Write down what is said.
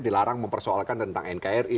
dilarang mempersoalkan tentang nkri